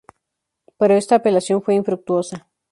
Pero esta apelación fue infructuosa.